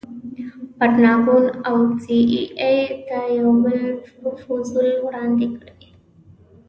پنټاګون او سي ای اې ته یو بل پروفوزل وړاندې کړي.